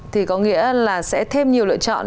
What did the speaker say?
thì có nghĩa là sẽ thêm nhiều lựa chọn